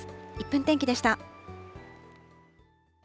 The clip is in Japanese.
１分天気でした。